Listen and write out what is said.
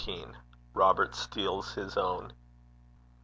ROBERT STEALS HIS OWN.